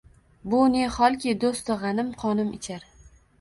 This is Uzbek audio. Bu ne holki, doʼstu gʼanim qonim ichar